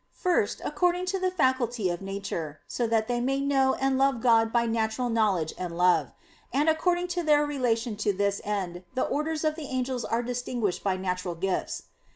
First, according to the faculty of nature, so that they may know and love God by natural knowledge and love; and according to their relation to this end the orders of the angels are distinguished by natural gifts.